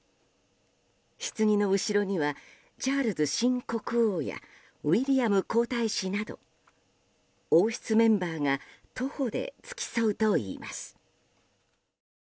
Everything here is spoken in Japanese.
ひつぎの後ろにはチャールズ新国王やウィリアム皇太子など王室メンバーが徒歩で付き添うといいます。